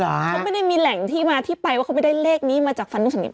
เขาไม่ได้มีแหล่งที่มาที่ไปว่าเขาไม่ได้เลขนี้มาจากฟันนู้นฝั่งนี้